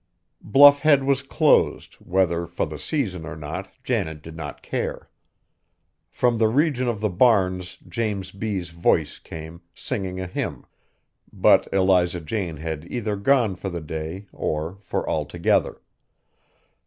Bluff Head was closed, whether for the season or not Janet did not care. From the region of the barns James B.'s voice came, singing a hymn, but Eliza Jane had either gone for the day or for altogether.